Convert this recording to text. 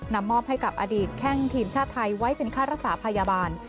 มอบให้กับอดีตแข้งทีมชาติไทยไว้เป็นค่ารักษาพยาบาล